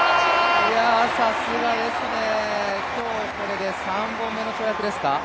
さすがですね、今日これで３本目の跳躍ですか。